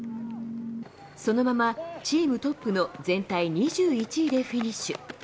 そのままチームトップの全体２１位でフィニッシュ。